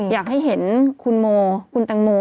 อยากให้เห็นคุณโมคุณตังโม